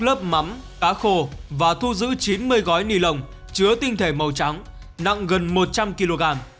lớp mắm cá khô và thu giữ chín mươi gói ni lông chứa tinh thể màu trắng nặng gần một trăm linh kg